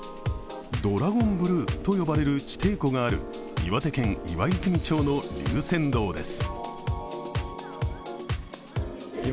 ドラゴンブルーと呼ばれる地底湖がある岩手県岩泉町の龍泉洞です。